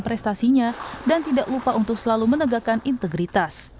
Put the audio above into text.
prestasinya dan tidak lupa untuk selalu menegakkan integritas